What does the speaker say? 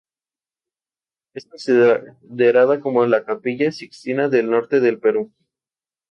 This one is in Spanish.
Es considera como la "Capilla Sixtina del norte del Perú".